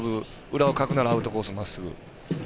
裏をかくならアウトコースにまっすぐ。